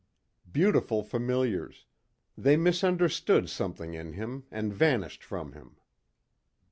Beautiful familiars, they misunderstood something in him and vanished from him.